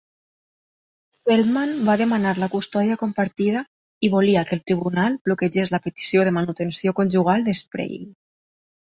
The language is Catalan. Feldman va demanar la custodia compartida i volia que el tribunal bloquegés la petició de manutenció conjugal de Sprague.